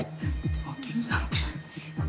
でもキスなんて。